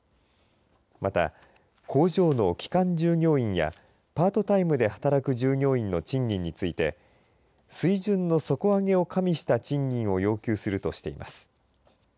また、工場の期間従業員やパートタイムで働く従業員の賃金について水準の底上げを加味した賃金を要求するとしています。